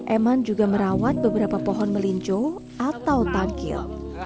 eman juga merawat beberapa pohon melinjo atau tangkil